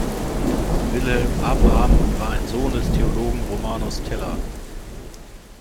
Wilhelm Abraham war ein Sohn des Theologen Romanus Teller.